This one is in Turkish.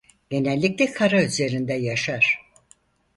Genellikle kara üzerinde yaşar.